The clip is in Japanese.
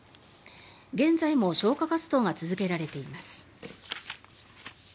現在も消火活動が続けられています。